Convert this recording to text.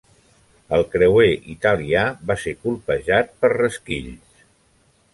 El creuer italià va ser colpejat per resquills.